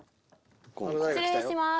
・失礼します